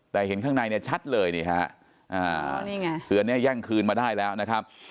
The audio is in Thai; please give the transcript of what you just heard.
แต่เห็นข้างในเนี่ยชัดเลยนี่ฮะนี่ไงคืออันนี้แย่งคืนมาได้แล้วนะครับ